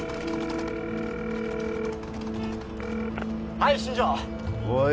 ☎はい新庄おい